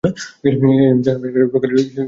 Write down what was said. এও জানবি এক প্রকারের ঈশ্বর-সাধনা।